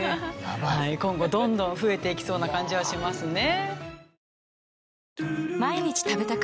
今後どんどん増えていきそうな感じはしますね。